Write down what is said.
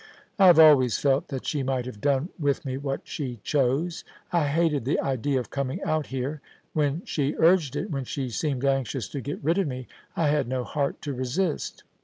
I have always felt that she might have done with me what she chose. I hated the idea of coming out here : when she urged it — when she seemed anxious to get rid of me — I had no heart to resist.